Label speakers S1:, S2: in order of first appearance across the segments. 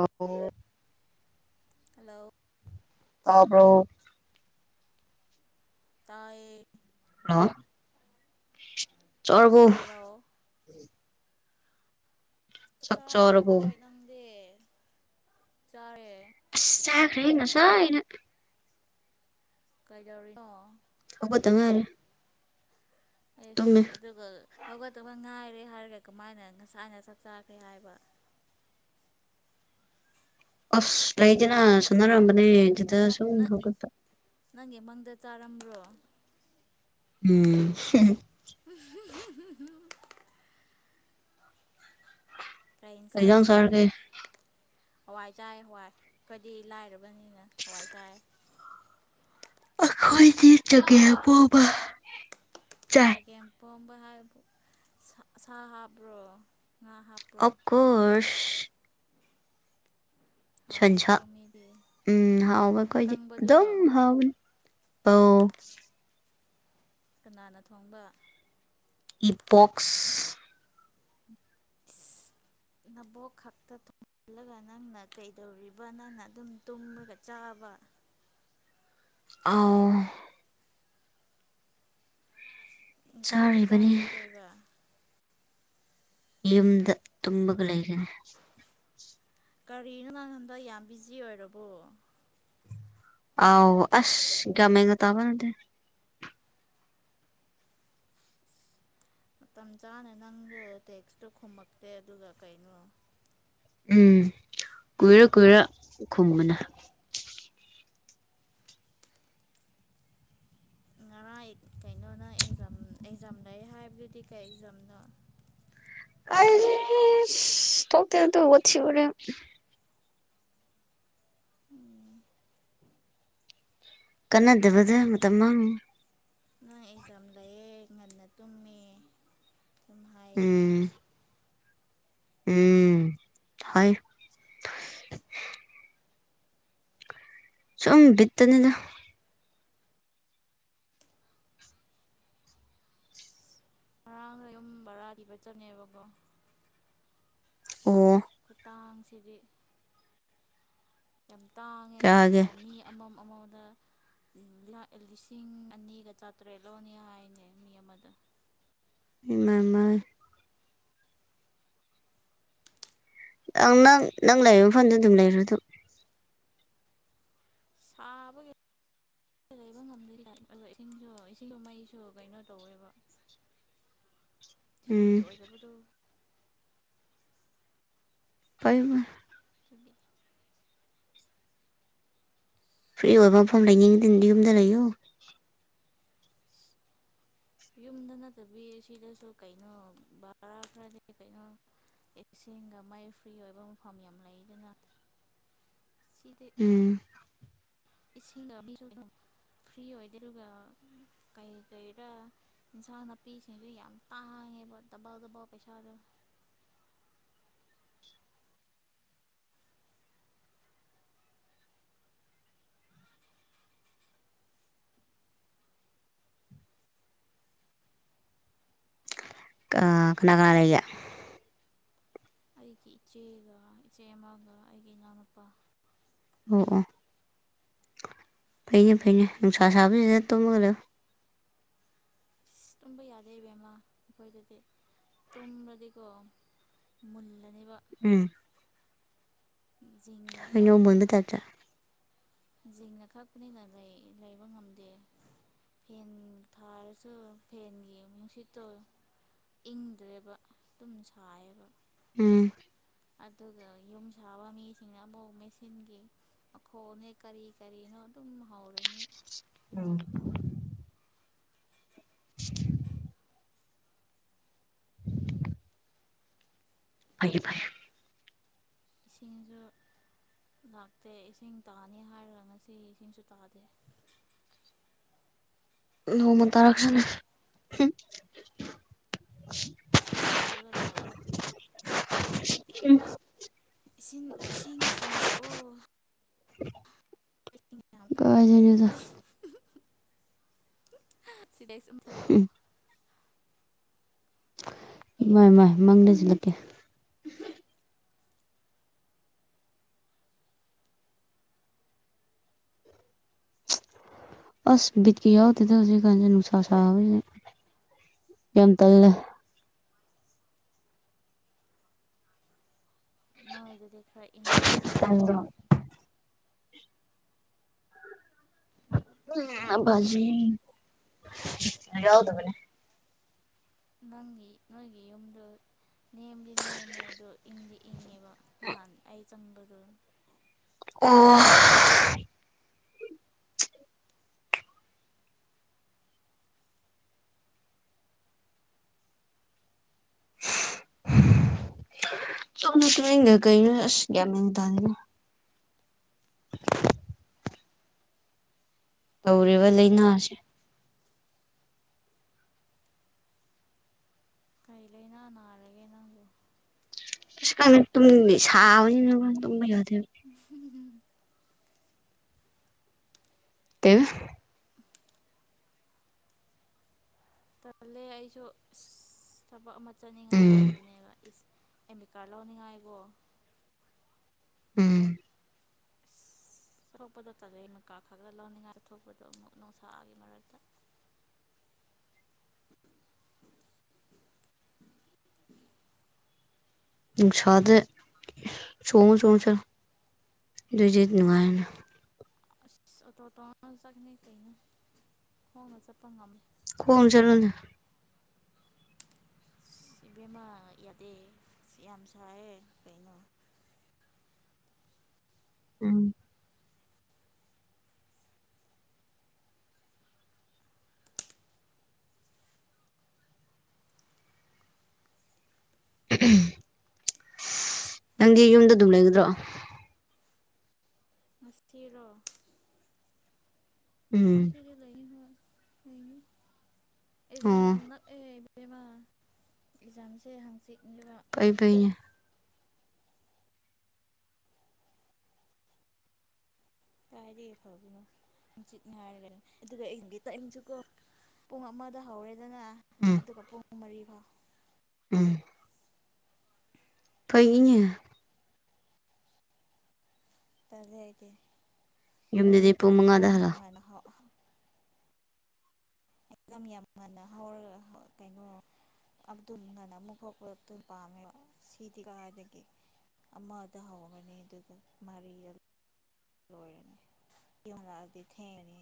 S1: ꯑꯣ
S2: ꯍꯜꯂꯣ
S1: ꯇꯄ꯭ꯔ
S2: ꯇꯌꯦ
S1: ꯆꯥꯔꯕꫭ
S2: ꯍꯜꯂꯣ ꯆꯥꯔꯦ
S1: ꯆꯥꯔꯕꯣ
S2: ꯍꯣꯏ ꯅꯪꯗ ꯆꯥꯔꯦ
S1: ꯑꯁ ꯆꯥꯈ꯭ꯔꯦꯍꯦ ꯉꯁꯥꯥꯅ꯫
S2: ꯀꯩꯗꯧꯔꯤꯅꫭ꯫
S1: ꯍꯧꯒꯠꯇ ꯉꯥꯏꯔꯤ꯫ ꯇꯨꯝꯃꯦ
S2: ꯑꯁ ꯑꯗꯨꯒ ꯍꯧꯒꯗꯧꯕ ꯉꯥꯏ ꯀꯔꯤ ꯍꯥꯏꯔꯒ ꯀꯃꯥꯏꯅ ꯉꯁꯥꯏꯅ ꯆꯥꯛ ꯆꯥꯈ꯭ꯔꯦ ꯍꯥꯏꯕ꯫
S1: ꯑꯁ ꯂꯩꯗꯅꯥ ꯁꯅꯔꯝꯕꯅꯦ ꯗꯨꯗꯥ
S2: ꯅ
S1: ꯁꯨꯝ
S2: ꯅ
S1: ꯍꯧꯒꯠꯄ
S2: ꯅꯪꯒꯤ ꯃꯪꯗ ꯆꯥꯔꯝꯕ꯭ꯔꯣ꯫
S1: ꯎꯝꯍꯍ
S2: [unintelligible] ꯀꯔꯤ
S1: ꯀꯩ ꯏꯟꯖꯥꯡ
S2: ꯏꯟꯁꯥꯡꯅꫭ꯫
S1: ꯆꯥꯔꯒꯦ
S2: ꯍꯋꯥꯏ ꯆꯥꯏ ꯍꯋꯥꯏ ꯈꫭꯏꯗꯤ ꯂꯥꯏꯔꯕꯅꯤꯅ ꯍꯋꯥꯏ ꯆꯥꯏ꯫
S1: ꯑꯈꯣꯏꯗꯤ ꯆꯒꯦꯝꯕꯣꯕ꯫
S2: ꯆꯒꯦꯝꯄꯣꯝꯕ ꯍꯥꯏ ꯁꯥ ꯍꯥꯞꯄ꯭ꯔꯣ꯫ ꯉꯥ ꯍꯥꯞꯄ꯭ꯔꯣ
S1: ꯑꯣꯐꯀꯣꯁ꯫ ꯁꯟꯁꯥ
S2: ꯍꯥꯎꯋꯤꯀꯣ ꯃꯤꯗꯤ
S1: ꯎꯝ ꯍꯥꯎꯕ ꯀꯣꯏꯗꯤ ꯑꯗꯨꯝ
S2: ꯑꯀꯪꯕꯗꯨꯔꯣ
S1: ꯍꯥꯎꯕꯅꯤ꯫ ꯑꯧ꯫
S2: ꯀꯅꯥꯅ ꯊꯣꯡꯕꯥ꯫
S1: ꯏꯄꯣꯛꯁ꯫ [unintelligible]
S2: ꯅꯕꯣꯛ ꯈꯛꯇ ꯊꯨꯝꯜꯂꯒ ꯅꯪꯅ ꯀꯩꯗꯧꯔꯤꯕ ꯅꯪꯅ ꯑꯗꯨꯝ ꯇꯨꯝꯒ ꯆꯥ ꯑꯕ
S1: ꯑꯥꯎ꯫
S2: ꯁꯤꯗꯤ ꯀꯥꯏ
S1: ꯆꯥꯔꯤꯕꯅꯤ
S2: ꯆꯠꯇꯣꯏꯕ꯫
S1: ꯌꯨꯝꯗ ꯇꯨꯝꯑꯒ ꯂꯩꯒꯅꯤ꯫
S2: ꯀꯔꯤꯅꯣ ꯅꯪ ꯍꯟꯗꯛ ꯌꯥꯝ ꯕꯤꯖꯤ ꯑꯣꯏꯔꯕꯣ꯫
S1: ꯑꯥꯎ ꯑꯁ ꯒꯌꯥꯟ ꯃꯦꯟꯒ ꯇꯥꯕ ꯅꯠꯇꯦ꯫
S2: ꯃꯇꯝ ꯆꯥꯅ ꯅꯪꯗꯣ ꯇꯦꯛꯁꯇꯣ ꯈꯨꯝꯃꯛꯇꯦ ꯑꯗꯨꯒ ꯀꯩꯅꯣ꯫
S1: ꯎꯝ ꯀꯨꯏꯔ ꯀꯨꯏꯔ ꯈꯨꯝꯃꯒꯅꯤ꯫
S2: ꯉꯔꯥꯡ ꯀꯩꯅꯣꯅ ꯑꯦꯛꯖꯥꯝ ꯑꯦꯛꯖꯥꯝ ꯂꯩꯌꯦ ꯍꯥꯏꯕꯗꯨꯗꯤ ꯀꯩ ꯑꯦꯛꯖꯥꯝꯅꯣ꯫
S1: ꯑꯩꯁ ꯊꫭꯛꯇꯦꯗꯗꯨ ꯋꯥꯊꯤ ꯋꯥꯔꯦꯝ꯫
S2: ꯎꯝ
S1: ꯀꯟꯅꯗꯕꯗ ꯃꯇꯝ ꯃꯥꯡꯅꯕ
S2: ꯅꯪ ꯑꯦꯛꯖꯥꯝ ꯂꯩꯑꯦ ꯉꯟꯅ ꯇꯨꯝꯃꯦ꯫ ꯍꯥꯏꯌꯦꯅ
S1: ꯎꯝ ꯎꯝ ꯍꫭꯏ꯫ ꯁꯨꯝ ꯕꯤꯠꯇꯅꯤꯗ꯫
S2: ꯉꯔꯥꯡꯗ ꯌꯨꯝ ꯕꯔꯥꯗꯤꯕ ꯆꯪꯉꯦꯕꯀꯣ꯫
S1: ꯑꯣ
S2: ꯁꯤꯗꯤ ꯌꯥꯝ ꯇꯥꯡꯉꯦ ꯀꯩꯅꯣ
S1: ꯌꯥꯒꯦ
S2: ꯃꯤ ꯑꯃꯝ ꯑꯃꯝ
S1: [unintelligible]
S2: ꯂꯥꯛ ꯂꯤꯁꯤꯡ ꯑꯅꯤꯒ ꯆꯥꯇ꯭ꯔꯦꯠ ꯂꯧꯅꯤ ꯍꯥꯏꯅꯦ ꯃꯤ ꯑꯃꯗ꯫
S1: ꯏꯃꯃ꯫ ꯑꯪ ꯅꯪ ꯅꯪ ꯂꯩꯕ ꯃꯐꯝꯗ ꯑꯗꯨꯝ ꯂꯩꯔꫭꯗ꯫
S2: ꯁꯥꯕꯒꯤ ꯂꯩꯕ ꯉꯝꯗꯦ ꯂꯥꯏ ꯑꯗꯣ ꯏꯁꯤꯡꯁꯨ ꯏꯁꯤꯡꯁꯨ ꯃꯩꯁꯨ ꯀꯩꯅꯣ ꯇꯧꯋꯦꯕ꯫ ꯐ꯭ꯔꯤ
S1: ꯎꯝ
S2: ꯑꯣꯏꯗꯕꯗꯣ꯫
S1: ꯐꯩꯅꯦ꯫
S2: ꯑꯗꯨꯒꯤ
S1: ꯐ꯭ꯔꯤ ꯑꯣꯏꯕ ꯃꯐꯝ ꯂꯩꯅꯤꯡꯑꯗꯤ ꯌꯨꯝꯗ ꯂꯩꯌꯣ꯫
S2: ꯌꯨꯝꯗ ꯅꯠꯇꯕꯤ ꯁꯤꯗꯁꯨ ꯀꯩꯅꯣ ꯕꯔꯥ ꯈ꯭ꯔꯗꯤ ꯀꯩꯅꯣ ꯏꯁꯤꯡꯦꯡꯒ ꯃꯩ ꯐ꯭ꯔꯤ ꯑꯣꯏꯕ ꯃꯐꯝ ꯌꯥꯝ ꯂꯩ ꯑꯗꯨꯅ
S1: [unintelligible]
S2: ꯁꯤꯗ
S1: ꯎꯝ
S2: ꯏꯁꯁꯤꯡꯗꯕꯤꯔꯣꯗ ꯐ꯭ꯔꯤ ꯑꯣꯏꯗꯦ ꯑꯗꯨꯒ ꯀꯩ ꯀꯩꯔꯥ ꯏꯟꯁꯥꯡ ꯅꯥꯄꯤꯁꯤꯡꯁꯨ ꯌꯥꯝ ꯇꯥꯡ ꯗꯕꯥ ꯗꯕꯥ ꯄꯩꯁꯥꯜ
S1: [unintelligible] ꯀꯅꯥ ꯀꯅꯥ ꯂꯩꯦ
S2: ꯑꯩꯒꯤ ꯏꯆꯦꯒ ꯏꯆꯦ ꯑꯃꯒ ꯑꯩꯒꯤ ꯏꯅꯥꯎꯅꯨꯄꯥ
S1: ꯑꯣ ꯄꯩꯦ ꯄꯩ ꯏꯁꯥ ꯁꯕ ꯇꯨꯝꯃꯒ ꯂꯣ
S2: ꯇꯨꯝꯕ ꯌꯥꯔꯦ ꯏꯕꯦꯝꯃ ꯑꯩꯈꯣꯏꯗꯗꯤ ꯇꯨꯝꯕꯗꯤꯀꯣ ꯃꯨꯜ
S1: ꯎꯝ ꯍꯩꯅꯧ ꯃꯨꯟꯕ
S2: ꯅꯀꯥꯕꯅꯤꯅ
S1: ꯇꯥꯏꯞꯇ
S2: ꯖꯤꯡꯅ ꯀꯛꯄꯅꯤꯅ ꯂꯩꯕ ꯉꯝꯗꯦ ꯐꯦꯟ ꯊꯥꯔꯁꯨ ꯐꯦꯟꯒꯤ ꯃꯁꯨꯠꯇꯣ ꯏꯪꯗ꯭ꯔꯦꯕ ꯑꯗꯨꯨꯝ ꯁꯥꯏꯌꯦꯕ
S1: ꯎꯝ
S2: ꯑꯗꯨꯒ ꯌꯨꯝ ꯁꯥꯕ ꯃꯤꯁꯤꯡꯅ ꯑꯃꯨꯛ ꯃꯦꯁꯤꯤꯟꯒꯤ ꯃꯈꯣꯡꯅꯦ ꯀꯔꯤ ꯀꯔꯤꯅꯣ ꯑꯗꯨꯝ ꯍꯥꯎꯔꯅꯤ
S1: ꯑ ꯐꯌꯦꯦ ꯐꯩꯦ
S2: ꯏꯁꯤꯡꯁꯤꯡꯖꯣ ꯂꯥꯛꯇꯦ ꯏꯁꯤꯡ ꯇꯥꯅꯤ ꯍꯥꯏꯔꯒ ꯉꯁꯤ ꯏꯁꯤꯡꯁꯨ ꯇꯥꯗꯦ
S1: ꯃꯨ ꯇꯔꯛ ꯈꯅ
S2: ꯁꯤꯁꯤꯡꯝꯄꯨꯨꯔꯒ ꯂꯥꯎꯑꯣ ꯁꯤꯡ ꯏꯁꯤꯡ ꯊꯤꯜꯂꯛꯑꯣ
S1: [unintelligible] ꯀꯥꯏꯗꯩꯅꯣꯗ
S2: ꯂꯩꯔꯗꯤ ꯁꯤꯗꯩ ꯁꯨꯝ ꯊꯤꯜꯂꯛꯑꯣ
S1: ꯃꯥꯏ ꯃꯥꯏ ꯃꯪꯗꯁꯤꯜꯂꯛꯀꯦ ꯑꯁ ꯀꯤ ꯌꯥꯎꯗ ꯍꯧꯖꯤ ꯀ ꯅꯅꯨꯡꯁꯥ ꯁꯥ ꯌꯥꯝ ꯇꯜꯂꯦ
S2: ꯅꯣꯏꯗꯨꯗꯤ ꯈꯔ ꯏꯪꯉꯝꯒꯅꯤꯅꯦ
S1: ꯎꯝ ꯎꯝ ꯖ ꯌꯥꯎꯗ ꯃꯅꯦ
S2: ꯅꯪꯒꯤ ꯅꯣꯏꯒꯤ ꯌꯨꯝꯗ ꯅꯦꯝꯗꯤ ꯅꯦꯝꯃꯦ ꯑꯗꯣ ꯏꯪꯗꯤ ꯏꯪꯉꯦꯕ ꯅꯍꯥꯟ ꯑꯩ ꯆꯪꯕꯗꯣ
S1: ꯑꯣ [unintelligible] ꯁ ꯃꯒ ꯀꯩꯅ ꯀꯃꯤꯅꯤ ꯇꯗꯥꯗꯅ ꯇꯧꯔꯤꯕ ꯂꯥꯏꯅꯥꯁꯦ
S2: ꯀꯩ ꯂꯩꯥꯏꯩꯅ ꯅꯥꯟꯂꯒꯥꯏꯩꯅꯪꯕꯨ
S1: ꯇ ꯁꯥꯎ ꯌ
S2: ꯝꯝ
S1: ꯇ
S2: ꯇꯂꯦ ꯑꯩꯁꯨ ꯊꯕꯛ ꯑꯃ ꯆꯠꯅꯤꯡꯉꯥꯏ
S1: ꯎꯝ
S2: ꯂꯩꯕꯅꯦꯕ ꯏꯁ ꯑꯦꯃꯤꯀꯥ ꯂꯧꯅꯤꯡꯉꯥꯏꯕꯣ
S1: ꯎꯝ
S2: ꯆꯣꯛꯄꯗꯣ ꯆꯠꯂ ꯃꯀꯥ ꯈꯥ ꯈꯔ ꯂꯧꯅꯤꯡꯉꯥꯏꯗ ꯊꯣꯛꯄꯗꯣ ꯑꯃꯨꯛ ꯅꯨꯡꯁꯥꯒꯤ ꯃꯔꯛꯇ
S1: [inaudible] [inaudible] ꯁꯗꯦ ꯆꯣꯡꯉ ꯆꯣꯡꯉ ꯨꯖꯤꯠ ꯅꯨꯡꯉꯥꯏꯅ
S2: ꯑꯁ ꯑꯣꯇꯣ ꯑꯣꯇꯣꯅ ꯆꯠꯅꯤ ꯀꯩꯅꯣ ꯍꯣꯡꯉ ꯆꯠꯄ ꯉꯝꯃꯦ
S1: ꯀ ꯆꯂꯅ
S2: ꯏꯕꯦꯝꯃꯥ ꯌꯥꯗꯦ ꯌꯥꯝ ꯁꯥꯏꯌꯦ ꯀꯩꯅꯣ
S1: [inaudible] ꯑꯝ ꯅꯪꯗꯤ ꯌꯨꯝꯗ ꯑꯗꯨꯝ ꯂꯩꯒꯗ꯭ꯔꯣ
S2: ꯉ ꯁꯤꯔꯣ ꯅ
S1: ꯎꯝ
S2: ꯁꯔꯤ ꯂꯩ ꯍꯣꯏ
S1: ꯑꯣ
S2: ꯑꯦꯖꯝ ꯌꯥꯝꯅ ꯑꯦ ꯃ ꯑꯦꯛꯖꯥꯝꯁꯦ ꯍꯥꯡꯆꯤꯠꯂꯨ
S1: ꯄꯩꯕꯦ
S2: ꯀꯥꯏꯔꯤ ꯐꯕꯅꯣ ꯅꯨꯡꯆꯤꯠ ꯍꯥꯏꯔꯅꯦ ꯑꯗꯨꯒ ꯑꯩꯒꯤ ꯇꯝꯁꯨꯀꯣ ꯄꯨꯡ ꯑꯃꯗ ꯍꯧꯔꯦꯗꯅ
S1: ꯎꯝ
S2: ꯑꯗꯨꯒ ꯄꯨꯡ ꯃꯔꯤꯐꯥꯎ
S1: ꯎꯝ ꯐꯩ ꯌꯦ
S2: ꯇꯔꯦꯒꯗꯤ
S1: ꯌꯨꯝꯗꯗꯤ ꯄꯨꯡ ꯃꯉꯥꯗ ꯍꯜꯂꯛꯑꯣ
S2: ꯍꯧ ꯑꯦꯝ ꯌꯥꯝ ꯉꯟꯅꯔ ꯀꯩꯅꯣ ꯑꯕꯗꯨꯜ ꯉꯅ ꯑꯃꯨꯛ ꯈꯂꯛꯇ ꯄꯥꯝꯃꯦꯕ ꯁꯤꯗꯤ ꯀꯗꯒꯤ ꯑꯃꯗ ꯍꯧꯒꯅꯤ ꯑꯗꯨꯒ ꯃꯔꯤ ꯂꯣꯏꯔꯅꯤ ꯄꯤꯃꯗꯤ ꯏ ꯊꯦ ꯏꯅꯦ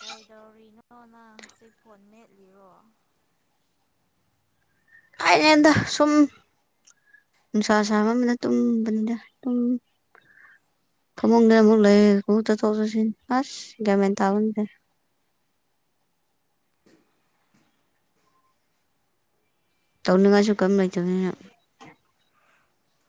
S2: ꯀꯩꯗꯧꯔꯤꯅꯣ ꯅꯪ ꯍꯧꯖꯤꯛ ꯐꯣꯟ ꯃꯦꯠꯂꯤꯔꯣ
S1: ꯀꯥꯏꯅꯦꯟꯗ ꯁꯨꯝ ꯏꯁꯥꯕ ꯃꯅ ꯇꯟꯗ ꯇ ꯐ ꯃꯗ ꯃ ꯂꯩꯗ ꯆꯧꯗꯁꯤ ꯑꯁ ꯒ꯭ꯥꯟꯃꯦꯟ ꯇꯥꯕ ꯅꯠꯇꯦ [inaudible] ꯇꯧꯅꯉꯁꯨ ꯀꯝ ꯂꯩꯇꯗ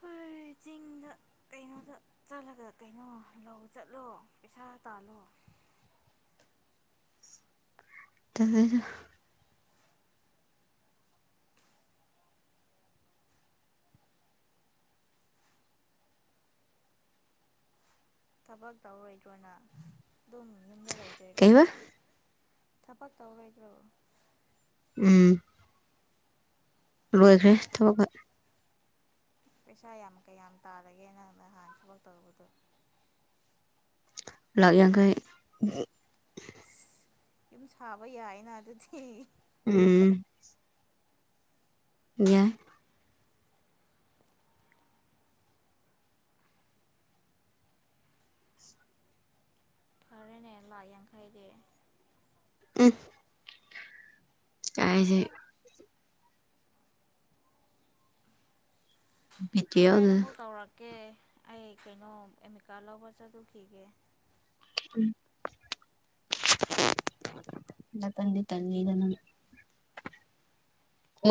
S2: ꯍꯣꯏ ꯆꯤꯡꯗ ꯀꯩꯅꯣꯗ ꯆꯠꯂꯒ ꯀꯩꯅꯣ ꯂꯧ ꯆꯠꯂꯣ ꯄꯩꯁꯥ ꯇꯥꯜꯂꯣ
S1: [inaudible] ꯇꯔ
S2: ꯊꯕꯛ ꯇꯧꯔꯣꯏꯗ꯭ꯔꯣꯅ ꯑꯗꯨꯝ ꯌꯨꯝꯗ ꯂꯩꯗꯣꯏꯔꯥ
S1: ꯀꯩꯕ
S2: ꯊꯄꯛ ꯇꯧꯔꯣꯏꯗ꯭ꯔꯣꯕ
S1: ꯎꯝ ꯂꯣꯏꯈ꯭ꯔꯦ ꯊꯕ ꯀ
S2: ꯄꯩꯁꯥ ꯌꯥꯝ ꯀꯌꯥꯝ ꯇꯥꯔꯒꯦꯅ ꯍꯥꯟ ꯊꯐꯥꯎ ꯇꯔꯨꯕꯗꯣ
S1: ꯂꯥꯛ ꯌꯥꯡꯈꯩ
S2: ꯌꯨꯝ ꯁꯥꯕ ꯌꯥꯏꯅ ꯑꯗꯨꯗꯤ
S1: ꯎꯝ ꯌꯥ
S2: ꯐꯔꯦꯅꯦ ꯂꯥꯛ ꯌꯥꯡꯈꯩꯗꯤ
S1: ꯎꯝ ꯀꯁꯦ ꯕꯤꯠ
S2: ꯍꯣꯔꯦꯟꯦꯟ
S1: ꯌꯥꯎꯗꯦꯗ
S2: ꯑꯃꯨꯛ ꯇꯧꯔꯛꯀꯦ ꯑꯣ ꯀꯀꯦ ꯑꯩ ꯀꯩꯅꯣ ꯑꯦꯃꯤꯀꯥ ꯂꯧꯕ ꯆꯠꯊꯈꯤꯒꯦ
S1: ꯎꯝ ꯏ ꯇꯗꯤ ꯇꯪꯔꯝ